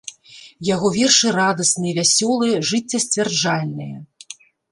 Яго вершы радасныя, вясёлыя, жыццесцвярджальныя.